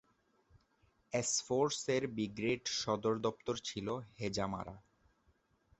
S force এর brigade সদর দপ্তর ছিল হেজামারা।